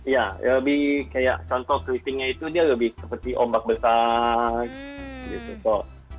ya lebih kayak contoh keritingnya itu dia lebih seperti ombak bekas gitu kok